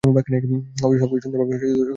অবশেষে, সবকিছু সুন্দর ভাবে সম্পন্ন হয়েছে।